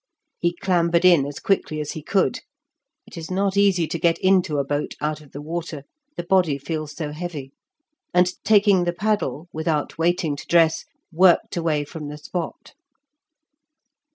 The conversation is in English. He clambered in as quickly as he could (it is not easy to get into a boat out of the water, the body feels so heavy), and, taking the paddle, without waiting to dress, worked away from the spot.